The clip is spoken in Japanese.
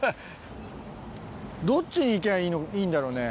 どっちに行きゃいいんだろうね？